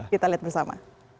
kita lihat bersama